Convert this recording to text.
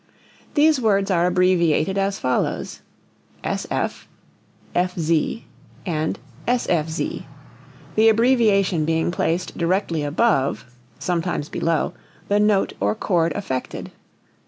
These words are abbreviated as follows: sf,_fz_, and sfz, the abbreviation being placed directly above (sometimes below) the note or chord affected.